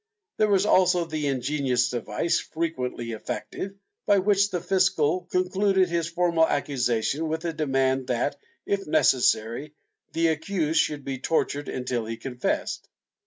There was also the ingenious device, frequently effective, by which the fiscal concluded his formal accusation with a demand that, if necessary, the accused should be tortured until he confessed.